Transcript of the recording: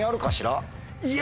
いや。